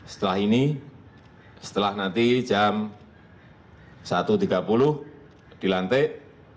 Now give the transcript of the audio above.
setelah ini setelah nanti jam satu tiga puluh dilantik